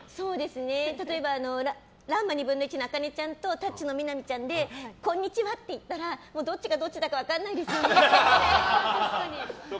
例えば、「らんま１／２」のあかねちゃんと「タッチ」の南ちゃんでこんにちはって言ったらどっちがどっちだか分かんないですよね。